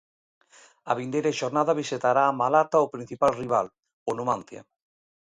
A vindeira xornada visitará a Malata o principal rival, o Numancia.